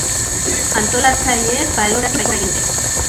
Antolatzaileek balorazio baikorra egin dute.